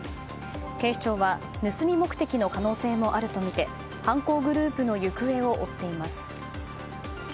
警視庁は盗み目的の可能性もあるとみて犯行グループの行方を追っています。